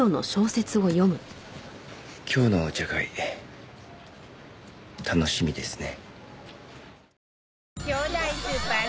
今日のお茶会楽しみですね。